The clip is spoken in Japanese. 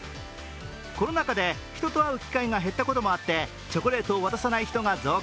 コロナ禍で人と会う機会が減ったこともあってチョコレートを渡さない人が増加。